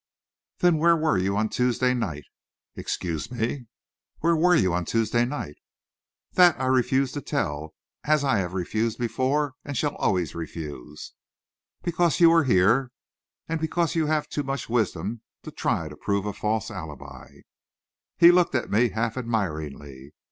"Then where were you on Tuesday night?" "Excuse me?" "Where were you on Tuesday night?" "That I refuse to tell as I have refused before, and shall always refuse." "Because you were here, and because you have too much wisdom to try to prove a false alibi." He looked at me half admiringly.